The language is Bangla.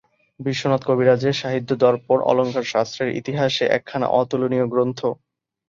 বিশ্বনাথ কবিরাজের সাহিত্যদর্পণ অলঙ্কারশাস্ত্রের ইতিহাসে একখানা অতুলনীয় গ্রন্থ।